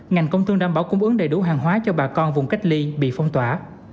ngành công thương đảm bảo cung ứng đầy đủ hàng hóa cho bà con vùng cách ly bị phong tỏa